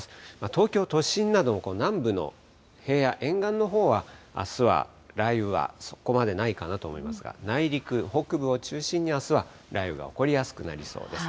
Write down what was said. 東京都心など、南部の平野、沿岸のほうは、あすは雷雨はそこまでないかなと思いますが、内陸、北部を中心に、あすは雷雨が起こりやすくなりそうです。